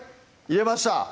入れました